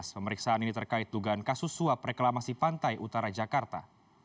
pemeriksaan ini terkait dugaan kasus suap reklamasi pantai utara jakarta